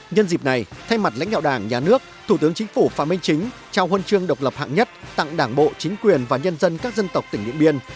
nhân dịp này thay mặt lãnh đạo đảng nhà nước thủ tướng chính phủ phạm minh chính trao huân chương độc lập hạng nhất tặng đảng bộ chính quyền và nhân dân các dân tộc tỉnh điện biên